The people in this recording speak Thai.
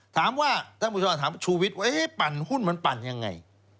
ถามว่าถ้าผู้ชอบถามว่าชูวิทย์ว่าเอ๊ะปั่นหุ้นมันปั่นยังไง